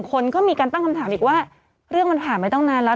คนก็มีการตั้งคำถามอีกว่าเรื่องมันผ่านไปตั้งนานแล้ว